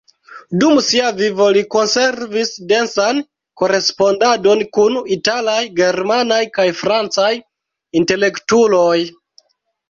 Dum sia vivo li konservis densan korespondadon kun italaj, germanaj kaj francaj intelektuloj.